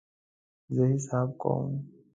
زه حساب کوم